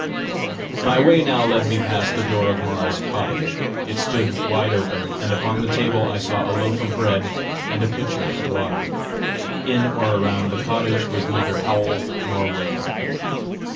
My way now led me past the door of Mara's cottage. It stood wide open, and upon the table I saw a loaf of bread and a pitcher of water. In or around the cottage was neither howl nor wail.